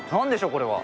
これは。